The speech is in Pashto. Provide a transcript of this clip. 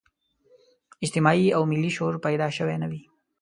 اجتماعي او ملي شعور پیدا شوی نه وي.